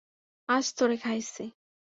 আজ তোরে খাইছি।